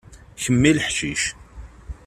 Kemm i leḥcic.